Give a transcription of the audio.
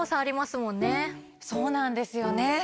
そうなんですよね。